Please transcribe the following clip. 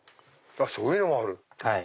そういうのもある。